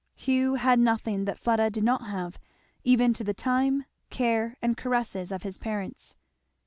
Hugh had nothing that Fleda did not have, even to the time, care, and caresses of his parents.